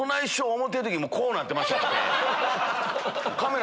思うてる時にもうこうなってましたんで。